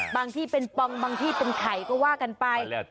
ที่เป็นปองบางที่เป็นไข่ก็ว่ากันไป